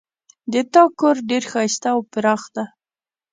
د تا کور ډېر ښایسته او پراخ ده